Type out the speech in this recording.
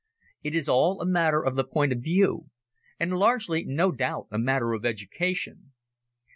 It is all a matter of the point of view, and largely no doubt a matter of education.